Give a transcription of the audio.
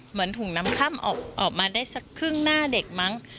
เหมือนถุงน้ำค่ำออกมาได้สักครึ่งหน้าเด็กมั้ง